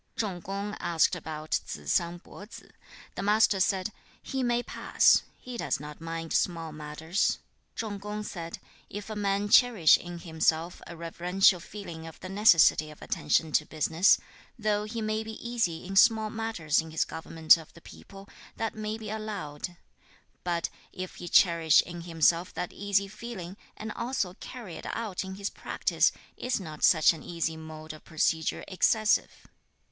2. Chung kung asked about Tsze sang Po tsze. The Master said, 'He may pass. He does not mind small matters.' 3. Chung kung said, 'If a man cherish in himself a reverential feeling of the necessity of attention to business, though he may be easy in small matters in his government of the people, that may be allowed. But if he cherish in himself that easy feeling, and also carry it out in his practice, is not such an easy mode of procedure excessive?'